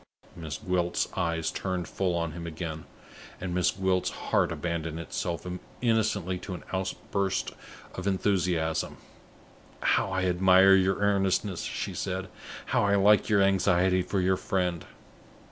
Miss Gwilt's eyes turned full on him again, and Miss Gwilt's heart abandoned itself innocently to an outburst of enthusiasm. "How I admire your earnestness!" she said. "How I like your anxiety for your friend!